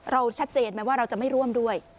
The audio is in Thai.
ชัดเจนไหมว่าเราจะไม่ร่วมด้วย